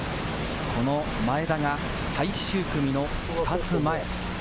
この前田が最終組の２つ前。